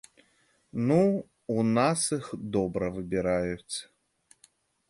Ну, у нас іх добра выбіраюць.